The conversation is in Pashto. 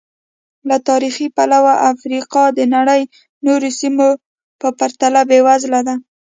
له تاریخي پلوه افریقا د نړۍ نورو سیمو په پرتله بېوزله ده.